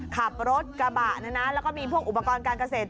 ขับเอยกระบะและมีอุปกรณ์การเกษตร